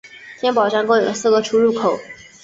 天宝站共有四个出入口。